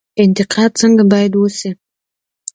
انتقاد څنګه باید وشي؟